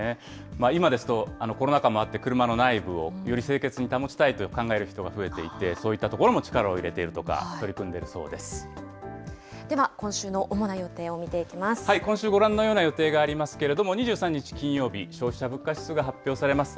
今ですと、コロナ禍もあって車の内部をより清潔に保ちたいと考える人が増えていて、そういったところも力を入れているとか、取り組んでいるでは今週の主な予定を見てい今週、ご覧のような予定がありますけれども、２３日金曜日、消費者物価指数が発表されます。